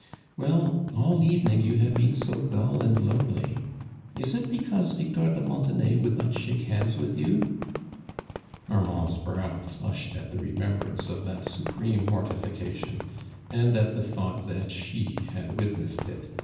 "Well, all evening you havo been so dull and lonely! Is it because \ ictor de Mon tenay would not shake hands with you ?"' Armand's brow flushed at the remem brance of that supreme mortification, and at the tliought that she had witnessed it.